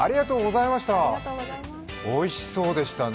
おいしそうでしたね。